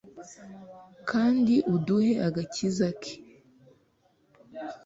kandi uduhe agakiza k